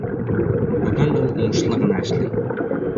Бөгөн ул уңышлы ғына эшләй.